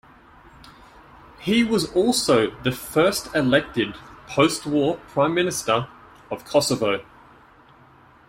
He was also the first elected post-war Prime Minister of Kosovo.